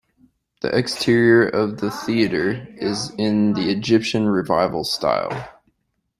The exterior of the theatre is in the Egyptian Revival style.